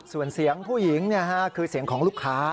ส่วนเสียงผู้หญิงคือเสียงของลูกค้า